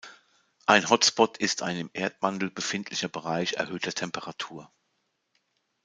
Ein Hotspot ist ein im Erdmantel befindlicher Bereich erhöhter Temperatur.